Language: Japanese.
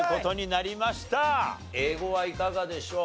英語はいかがでしょう？